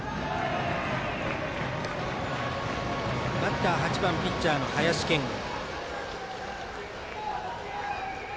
バッター８番ピッチャーの林謙吾。